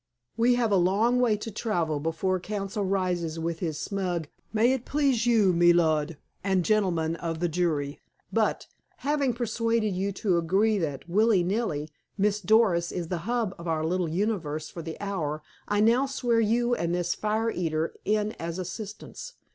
We have a long way to travel before counsel rises with his smug 'May it please you, me lud, and gentlemen of the jury.' But, having persuaded you to agree that, willy nilly, Miss Doris is the hub of our little universe for the hour, I now swear you and this fire eater in as assistants.